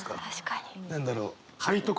何だろう？